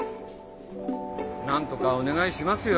なんとかお願いしますよ。